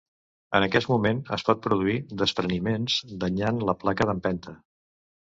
En aquest moment es pot produir despreniments, danyant la placa d'empenta.